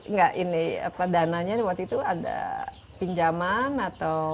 enggak ini apa dananya waktu itu ada pinjaman atau